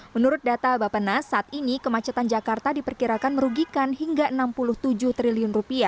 menurut data bapenas saat ini kemacetan jakarta diperkirakan merugikan hingga rp enam puluh tujuh triliun